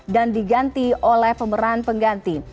dan diganti oleh pemeran pengganti